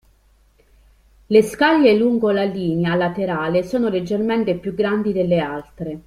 Le scaglie lungo la linea laterale sono leggermente più grandi delle altre.